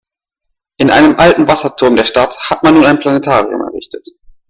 In einem alten Wasserturm der Stadt hat man nun ein Planetarium errichtet.